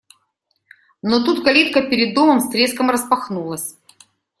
Но тут калитка перед домом с треском распахнулась.